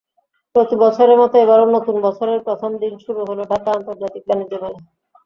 প্রতিবছরের মতো এবারও নতুন বছরের প্রথম দিন শুরু হলো ঢাকা আন্তর্জাতিক বাণিজ্য মেলা।